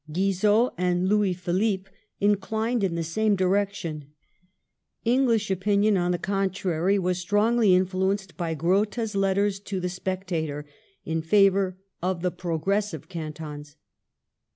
Guizot and Louis Philippe inclined in the same direction. English opinion, on the contrary, was strongly influenced by Grote's letters to the Spectator, in favour of the " progressive " cantons.